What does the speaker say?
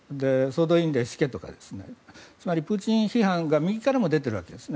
総動員令を敷けとかつまりプーチン批判が右からも出ているわけです。